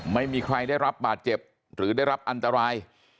ไม่มีใครได้รับบาดเจ็บหรือได้รับอันตราย